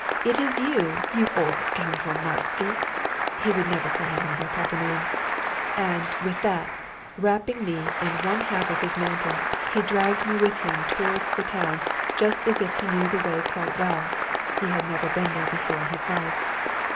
Is it you, you old scoundrel, Marksi!" (he never would call me by my proper name), and, with that, wrapping me in one half of his mantle, he dragged me with him towards the town just as if he knew the way quite well (he had never been there before in his life).